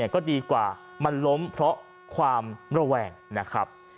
ก็ดีกว่ามันล้มเพราะความระแวงนะครับ